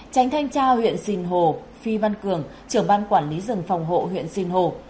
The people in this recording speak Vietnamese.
tránh thanh trao huyện sình hồ phi văn cường trưởng ban quản lý rừng phòng hộ huyện sình hồ